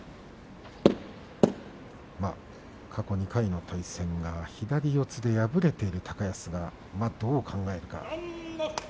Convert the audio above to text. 過去２回の対戦が左四つで敗れている高安がどう考えるか。